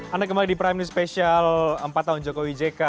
anda kembali di prime news special empat tahun jokowi jk